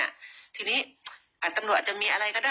เราก็ไม่รู้ใช่ไหมคะคุณผู้ใหญ่ว่าไง